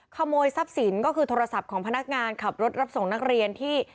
ขโมยทรัพย์สินก็คือโทรศัพท์ของพนักงานขับรถรับส่งนักเรียนที่